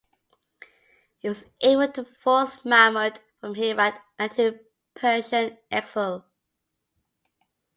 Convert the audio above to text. He was able to force Mahmud from Herat and into a Persian exile.